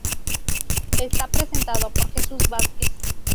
Está presentado por Jesús Vázquez.